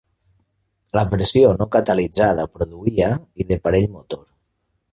La versió no catalitzada produïa i de parell motor